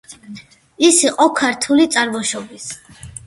ის იყო ქართული წარმოშობის.